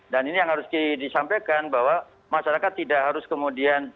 dan ini yang harus disampaikan bahwa masyarakat tidak harus kemudian